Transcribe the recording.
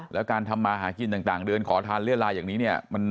แล้วการทำมาหากินต่างเดินขอทานเรียดลายอย่างนี้เนี่ย